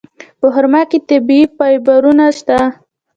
په خرما کې طبیعي فایبرونه شته.